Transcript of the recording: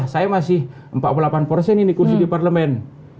saya masih empat puluh delapan persen ini kursi di parlemen